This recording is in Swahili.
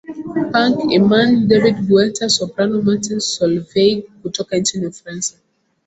Punk Imany David Guetta Soprano Martin Solveig kutoka nchini uFransa